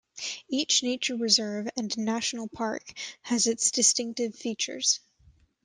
Each nature reserve and national park has its distinctive features.